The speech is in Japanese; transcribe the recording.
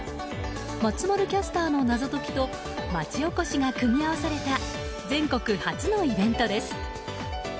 松丸キャスターの謎解きと町おこしが組み合わされた全国初のイベントです。